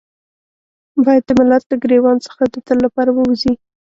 بايد د ملت له ګرېوان څخه د تل لپاره ووځي.